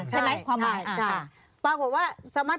ใช่มั้ยความหมาย